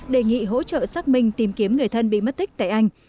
đề nghị hỗ trợ xác minh tìm kiếm người thân bị mất tích tại anh